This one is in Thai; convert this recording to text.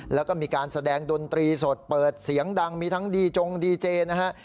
แล้วก็มีการแสดงดนตรีสดเปิดเสียงดังมีทั้งดีจงดีเจนะฮะ